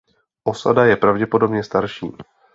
Osada je pravděpodobně starší.